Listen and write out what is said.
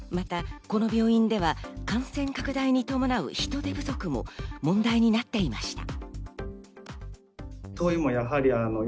また、この病院では感染拡大に伴う人手不足も問題になっていました。